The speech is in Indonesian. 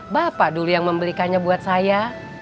bapak dulu yang membelikannya buat saya